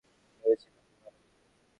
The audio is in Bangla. ভেবেছিলাম তুমি মারা গেছ।